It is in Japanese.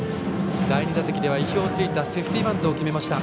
第２打席では意表を突いたセーフティーバントを決めました。